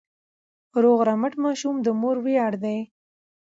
روغ رمټ ماشوم د مور ویاړ دی.